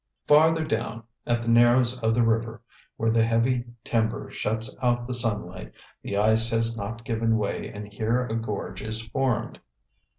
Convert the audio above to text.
Farther down, at the narrows of the river, where the heavy timber shuts out the sunlight, the ice has not given way and here a gorge is formed.